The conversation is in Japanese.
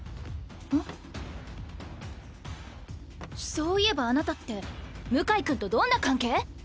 そういえばあなたって向井君とどんな関係？